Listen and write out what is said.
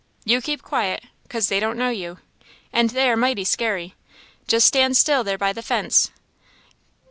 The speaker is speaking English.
"You keep quiet, 'cause they don't know you; and they are mighty scary. Just stand still there by the fence.